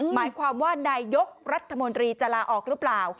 หมายความว่านายกรัฐมนตรีจะลาออกหรือเปล่า